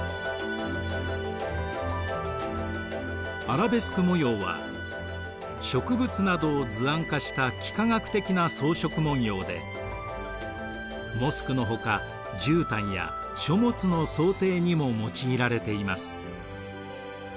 アラベスク模様は植物などを図案化した幾何学的な装飾文様でモスクのほかじゅうたんや書物の装丁にも用いられています。